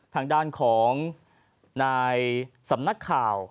ทางด้านของนายสำนักข่าว